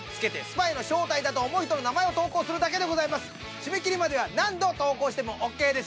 締め切りまでは何度投稿してもＯＫです。